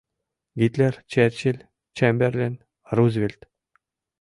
«Гитлер», «Черчиль», «Чемберлен», «Рузвельт»...